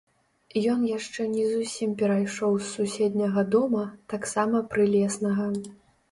Ён яшчэ не зусім перайшоў з суседняга дома, таксама прылеснага.